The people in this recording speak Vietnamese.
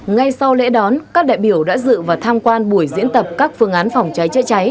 ngay sau lễ đón các đại biểu đã dự và tham quan buổi diễn tập các phương án phòng cháy chữa cháy